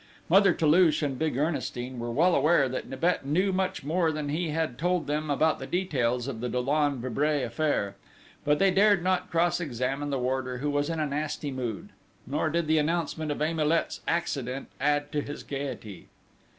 Mother Toulouche and big Ernestine were well aware that Nibet knew much more than he had told them about the details of the Dollon Vibray affair; but they dared not cross examine the warder who was in a nasty mood nor did the announcement of Emilet's accident add to his gaiety!